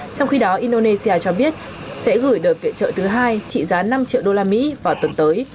trong khi đó indonesia cho biết sẽ gửi đợt viện trợ thứ hai trị giá năm triệu đô la mỹ vào tuần tới